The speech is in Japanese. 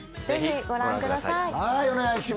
ぜひご覧ください。